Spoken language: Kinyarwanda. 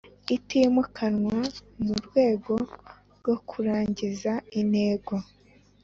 itimukanwa mu rwego rwo kurangiza intego